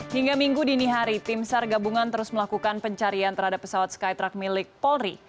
hingga minggu dini hari tim sar gabungan terus melakukan pencarian terhadap pesawat skytruck milik polri